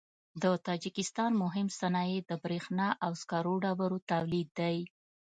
د تاجکستان مهم صنایع د برېښنا او سکرو ډبرو تولید دی.